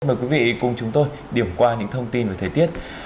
mời quý vị cùng chúng tôi điểm qua những thông tin về thời tiết